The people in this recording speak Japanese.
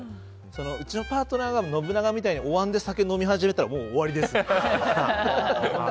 うちのパートナーが信長みたいにおわんで酒飲み始めたらもう終わりです。